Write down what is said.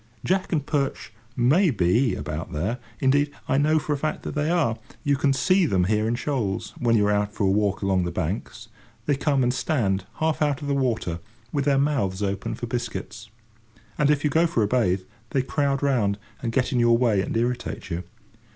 Jack and perch may be about there. Indeed, I know for a fact that they are. You can see them there in shoals, when you are out for a walk along the banks: they come and stand half out of the water with their mouths open for biscuits. And, if you go for a bathe, they crowd round, and get in your way, and irritate you.